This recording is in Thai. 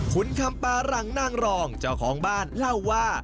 คุณคำปาหลังนางรองเจ้าของบ้านเล่าว่า